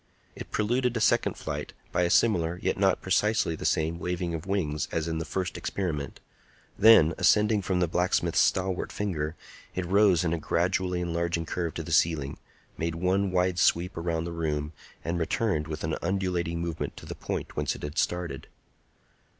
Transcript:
It preluded a second flight by a similar, yet not precisely the same, waving of wings as in the first experiment; then, ascending from the blacksmith's stalwart finger, it rose in a gradually enlarging curve to the ceiling, made one wide sweep around the room, and returned with an undulating movement to the point whence it had started.